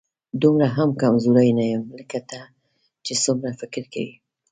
دومره هم کمزوری نه یم، لکه ته چې څومره فکر کوې